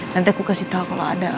nanti aku kasih tau kalo ada